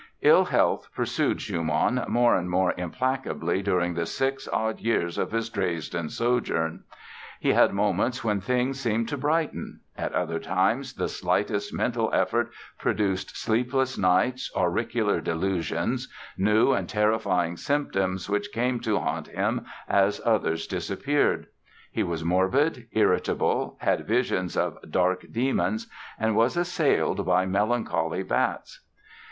Ill health pursued Schumann more and more implacably during the six odd years of his Dresden sojourn. He had moments when things seemed to brighten. At other times the slightest mental effort produced sleepless nights, auricular delusions, new and terrifying symptoms which came to haunt him as others disappeared. He was morbid, irritable, had visions of "dark demons" and was assailed by "melancholy bats".